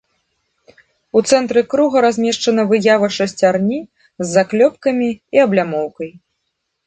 У цэнтры круга размешчана выява шасцярні з заклёпкамі і аблямоўкай.